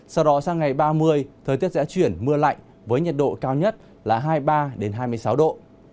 sau đó sang ngày ba mươi thời tiết sẽ chuyển mưa lạnh với nhiệt độ cao nhất là hai mươi ba hai mươi sáu độ